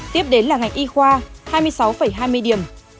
tiếp đến là ngành y khoa hai mươi sáu hai mươi điểm